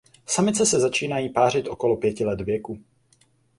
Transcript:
Samice se začínají pářit okolo pěti let věku.